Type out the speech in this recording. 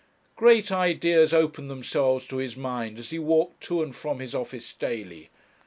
Great ideas opened themselves to his mind as he walked to and from his office daily.